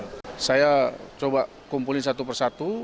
kita coba kumpulin satu persatu